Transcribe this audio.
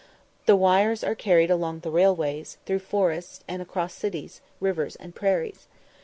The wires are carried along the rail ways, through forests, and across cities, rivers, and prairies.